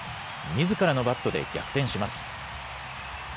みずからのバットで逆転します。